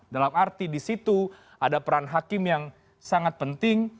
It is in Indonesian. dalam arti di situ ada peran hakim yang sangat penting